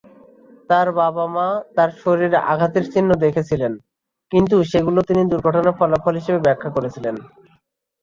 তার বাবা-মা তার শরীরে আঘাতের চিহ্ন দেখেছিলেন, কিন্তু সেগুলি তিনি দুর্ঘটনার ফলাফল হিসাবে ব্যাখ্যা করেছিলেন।